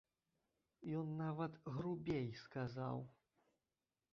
Ён нават грубей сказаў.